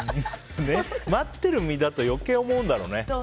待っている身だと余計思うんだろうね。